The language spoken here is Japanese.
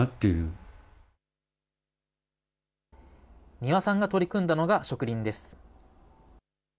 丹羽さんが取り組んだのが植林です。